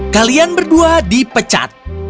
kalian berdua dipecat